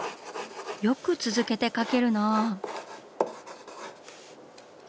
よく続けて描けるなぁ。